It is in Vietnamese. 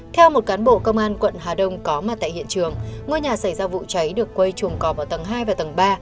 theo một cán bộ công an quận hà đông có mặt tại hiện trường ngôi nhà xảy ra vụ cháy được quây trùm cọp ở tầng hai và tầng ba